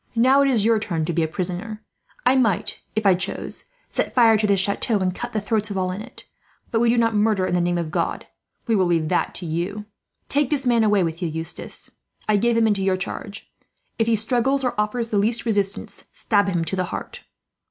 Now it is your turn to be a prisoner. "I might, if I chose, set fire to this chateau, and cut the throats of all in it; but we do not murder in the name of God. We leave that to you. "Take this man away with you, Eustace. I give him into your charge. If he struggles, or offers the least resistance, stab him to the heart."